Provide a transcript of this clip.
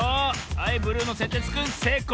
はいブルーのせんてつくんせいこう！